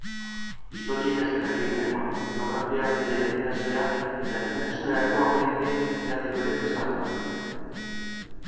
Historia ikasketak egindakoa, etnografiaz ere ikasia eta berdintasunerako agente izateko ere prestatua.